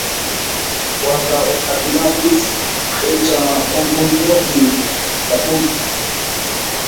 Waka uñakunapis q'icha unquyniyuqmi kapunku.